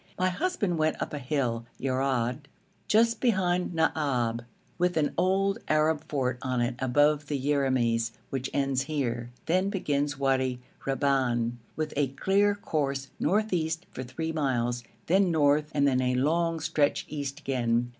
My husband went up a hill, Yerad, just behind Naab, with an old Arab fort on it above the Yeramis, which ends here; then begins Wadi Reban, with a clear course north east for three miles, then north, and then a long stretch east again.